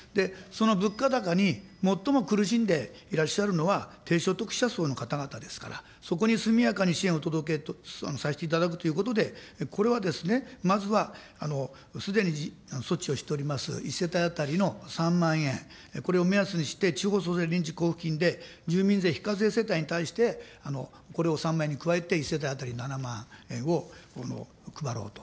その物価高に最も苦しんでいらっしゃるのは、低所得者層の方々ですから、そこに速やかに支援を届けさせていただくということで、これはですね、まずは、すでに措置をしております、１世帯当たりの３万円、これを目安にして、地方創生臨時交付金で、住民税非課税世帯に対して、これを３万円に加えて１世帯当たり７万円を配ろうと。